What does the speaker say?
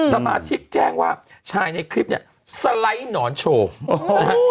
สมาชิกแจ้งว่าชายในคลิปเนี่ยสไลด์หนอนโฉมนะฮะ